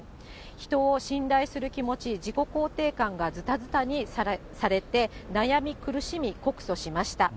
人を信頼する気持ち、自己肯定感がずたずたにされて、悩み苦しみ告訴しました。